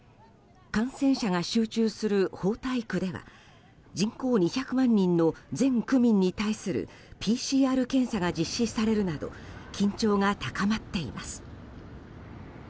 感染者が集中する豊台区では人口２００万人の全区民に対するＰＣＲ検査が実施されるなど緊張が高まっています。